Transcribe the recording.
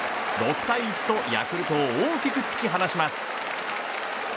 ６対１とヤクルトを大きく突き放します。